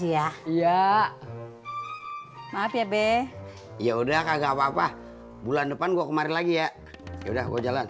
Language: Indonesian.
ya iya maaf ya be ya udah kagak apa apa bulan depan gua kemarin lagi ya ya udah gua jalan